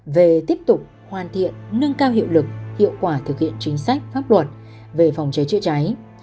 về tiếp tục hoàn thiện nâng cao hiệu lực hiệu quả thực hiện chính sách pháp luật về phòng cháy chữa cháy